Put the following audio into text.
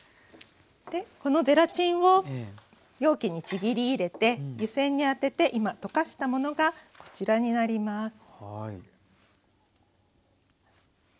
このゼラチンを容器にちぎり入れて湯煎に当てて今溶かしたものがこちらになります。